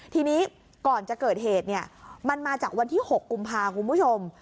ทีนี้ก่อนจะเกิดเหตุเนี่ยมันมาจากวันที่๖กุมภาคุณผู้ชม